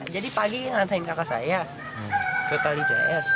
jadi pagi ngantarin kakak saya ke kalidais